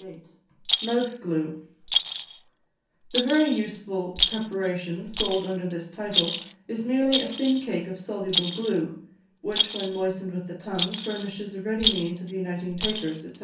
2488. Mouth Glue. The very useful preparation sold under this title is merely a thin cake of soluble glue, which, when moistened with the tongue, furnishes a ready means of uniting papers, &c.